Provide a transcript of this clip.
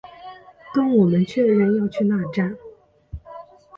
跟我们确认要去那站